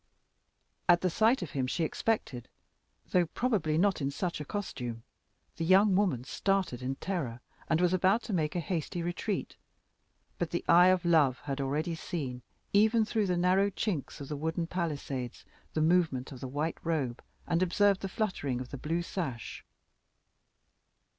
At the sight of him she expected, though probably not in such a costume, the young woman started in terror, and was about to make a hasty retreat. But the eye of love had already seen, even through the narrow chinks of the wooden palisades, the movement of the white robe, and observed the fluttering of the blue sash.